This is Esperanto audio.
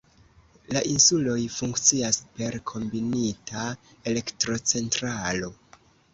La insuloj funkcias per kombinita elektrocentralo.